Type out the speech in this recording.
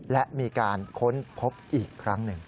และมีการค้นพบอีกครั้งหนึ่ง